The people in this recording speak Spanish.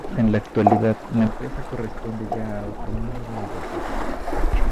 En la actualidad, la empresa corresponde ya a otro mundo de negocios.